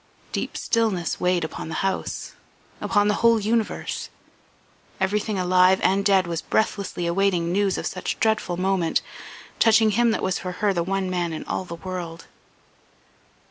Deep stillness weighed upon the house upon the whole universe. Everything alive and dead was breathlessly awaiting news of such dreadful moment touching him that was for her the one man in all the world